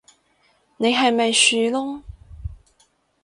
你係咪樹窿